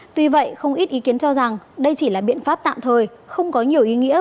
tuy vậy không ít ý kiến cho rằng đây chỉ là biện pháp tạm thời không có nhiều ý nghĩa